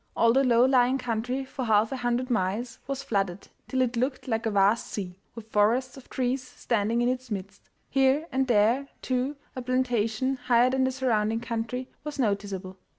All the low lying country for half a hundred miles was flooded till it looked like a vast sea, with forests of trees standing in its midst. Here and there, too, a plantation, higher than the surrounding country, was noticeable.